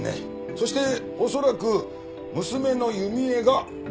そして恐らく娘の弓枝が共犯です。